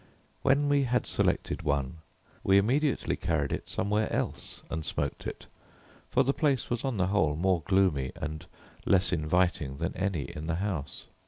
When we had selected one, we immediately carried it somewhere else and smoked it; for the place was, on the whole, more gloomy and less inviting than any in the house.